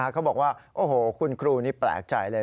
เขาบอกว่าโอ้โหคุณครูนี่แปลกใจเลย